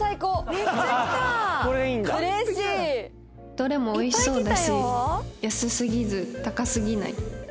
どれも美味しそうだし安すぎず高すぎない